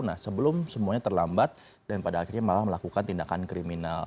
nah sebelum semuanya terlambat dan pada akhirnya malah melakukan tindakan kriminal